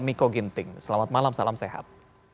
miko ginting selamat malam salam sehat